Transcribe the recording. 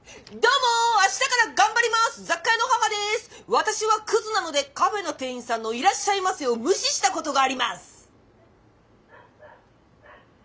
私はクズなのでカフェの店員さんの『いらっしゃいませ』を無視したことがあります！」。